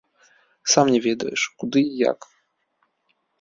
Сам не ведаеш, куды і як?